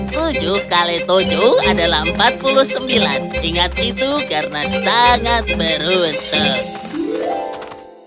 tujuh kali tujuh adalah empat puluh sembilan ingat itu karena sangat beruntung